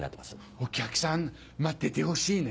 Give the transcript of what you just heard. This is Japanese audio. お客さん待っててほしいね。